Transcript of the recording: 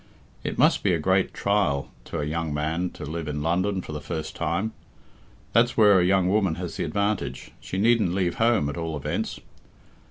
It must be a great trial to a young man to live in London for the first time. That's where a young woman has the advantage she needn't leave home, at all events.